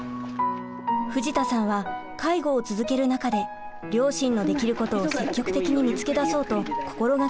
藤田さんは介護を続ける中で両親のできることを積極的に見つけ出そうと心がけました。